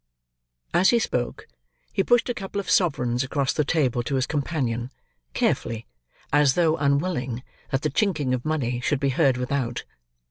As he spoke, he pushed a couple of sovereigns across the table to his companion, carefully, as though unwilling that the chinking of money should be heard without.